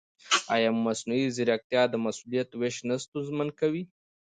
ایا مصنوعي ځیرکتیا د مسؤلیت وېش نه ستونزمن کوي؟